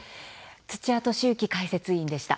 土屋敏之解説委員でした。